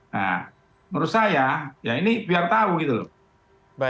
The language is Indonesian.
nah menurut saya ya ini biar tahu gitu loh